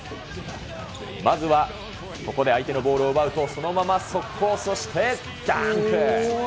まずはここで相手のボールを奪うと、そのまま速攻、そしてダンク。